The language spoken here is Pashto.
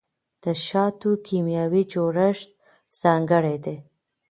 د شاتو کیمیاوي جوړښت ځانګړی دی.